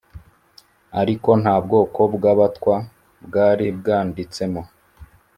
ariko nta bwoko bw’Abatwa bwari bwanditsemo